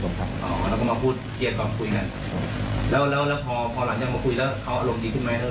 หลมดีขึ้นไหมหรือก็อย่างไร